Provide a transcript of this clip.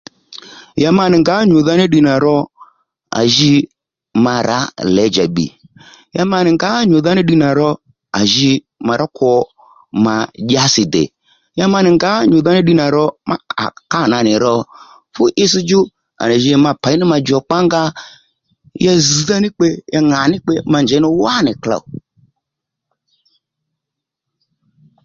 Ya ma nì ngǎ nyù dha ní ddiy nà ro à ji ma rǎ lědjà bbì ya ma nì ngǎ nyù dha ní ddiy nà ro à ji ma rǎ kwo ma dyási dè ya ma nì ngǎ nyù dha ní ddiy nà ro cha ndèy kâ na nì ro fú its djú à nì jǐ ma pěy nú ma djòkpa nga ya zz̀dha ní kpe ya ŋǎ ní kpe ma njěy nú wá nì klòw